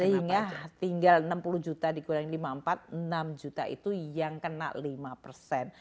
sehingga tinggal enam puluh juta dikurangi lima puluh empat enam juta itu yang kena lima persen